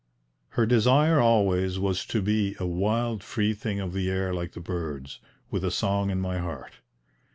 Her desire, always, was to be "a wild free thing of the air like the birds, with a song in my heart."